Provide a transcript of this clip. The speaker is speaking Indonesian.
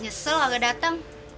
nyesel agak dateng